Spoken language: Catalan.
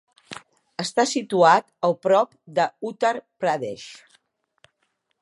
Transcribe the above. Està situat a prop d'Uttar Pradesh.